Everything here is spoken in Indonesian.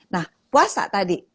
nah puasa tadi